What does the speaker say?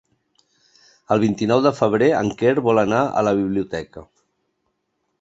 El vint-i-nou de febrer en Quer vol anar a la biblioteca.